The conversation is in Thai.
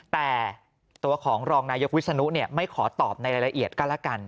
แต่ตัวของรองนายกวิศนุไม่ขอตอบในรายละเอียดก็แล้วกัน